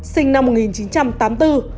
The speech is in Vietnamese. sinh năm một nghìn chín trăm tám mươi bốn